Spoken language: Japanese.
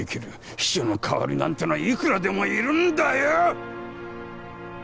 秘書の代わりなんてのはいくらでもいるんだよ！